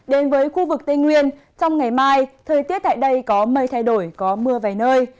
đến với khu vực tây nguyên trong ngày mai thời tiết tại đây có mây thay đổi có mưa vài nơi